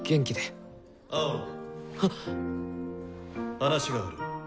話がある。